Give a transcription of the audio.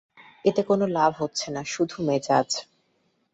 এতে কোনো লাভ হচ্ছে না, শুধু মেজাজ।